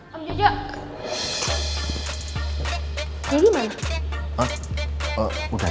kalau gak ada yang mau ngomong aku mau ke rumah